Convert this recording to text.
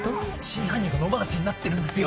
「真犯人が野放しになってるんですよ」